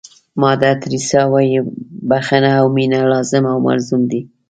مادر تریسیا وایي بښنه او مینه لازم او ملزوم دي.